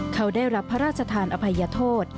เขาได้รับพระราชทานอภัยโทษ